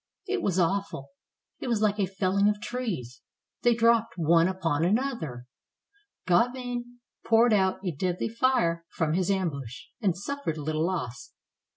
It was awful. It was Hke a felUng of trees; they dropped one upon another. Gauvain poured out a deadly fire from his ambush, and suffered little loss.